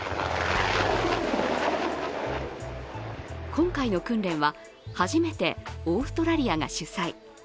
今回の訓練は初めてオーストラリアが主催。